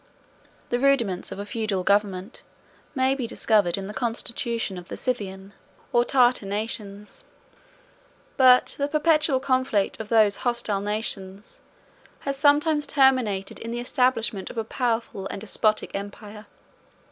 The rudiments of a feudal government may be discovered in the constitution of the Scythian or Tartar nations; but the perpetual conflict of those hostile nations has sometimes terminated in the establishment of a powerful and despotic empire.